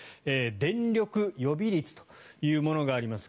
電力予備率というものがあります。